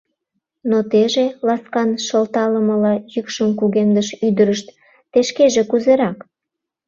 Но теже, — ласкан шылталымыла йӱкшым кугемдыш ӱдырышт, — те шкеже кузерак?